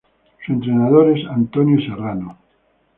Su entrenador es Antonio Serrano.